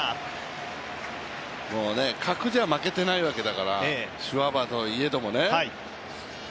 格じゃ負けていないわけだから、シュワーバーといえどもね。